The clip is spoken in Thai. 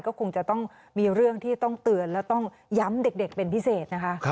ก็คงจะต้องมีเรื่องที่ต้องเตือนและต้องย้ำเด็กเป็นพิเศษนะคะ